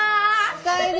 お帰り。